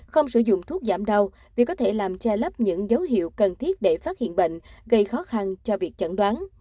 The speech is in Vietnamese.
không sử dụng thuốc giảm đau vì có thể làm che lắp những dấu hiệu cần thiết để phát hiện bệnh gây khó khăn cho việc chẩn đoán